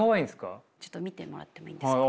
ちょっと見てもらってもいいですか。